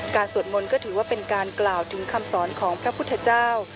สวดมนต์ก็ถือว่าเป็นการกล่าวถึงคำสอนของพระพุทธเจ้า